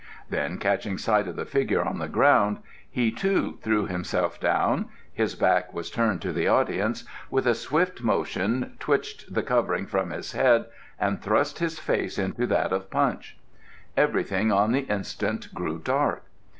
Then, catching sight of the figure on the ground, he too threw himself down his back was turned to the audience with a swift motion twitched the covering from his head, and thrust his face into that of Punch. Everything on the instant grew dark.